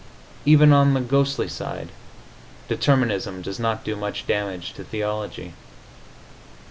Even on the ghostly side, determinism does not do much damage to theology.